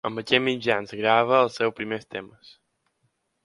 Amb aquests mitjans grava els seus primers temes.